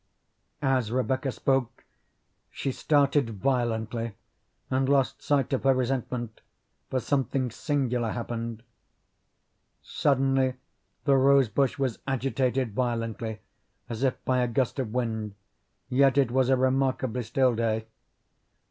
As Rebecca spoke she started violently, and lost sight of her resentment, for something singular happened. Suddenly the rose bush was agitated violently as if by a gust of wind, yet it was a remarkably still day.